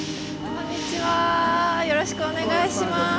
よろしくお願いします。